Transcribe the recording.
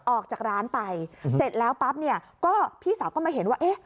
ออกจากร้านไปเสร็จแล้วปั๊บเนี่ยก็พี่สาวก็มาเห็นว่าเอ๊ะ